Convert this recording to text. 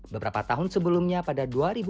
beberapa tahun sebelumnya pada dua ribu empat belas